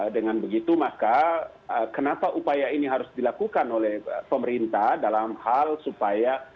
dengan begitu maka kenapa upaya ini harus dilakukan oleh pemerintah dalam hal supaya